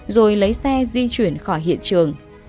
rồi lấy xe di chuyển